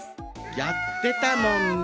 やってたもんね。